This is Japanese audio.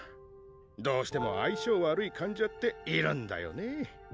どうしても相性悪い患者っているんだよね。